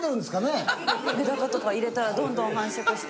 メダカとか入れたらどんどん繁殖して。